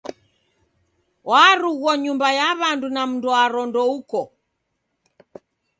Warughua nyumba ya w'andu na mndwaro ndeuko.